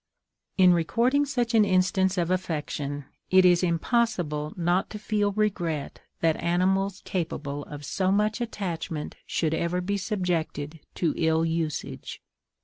In recording such an instance of affection, it is impossible not to feel regret that animals capable of so much attachment should ever be subjected to ill usage.